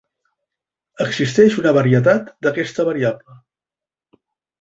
Existeix una varietat d'aquesta variable.